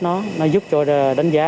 nó giúp cho đánh giá